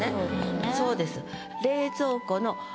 そうですね。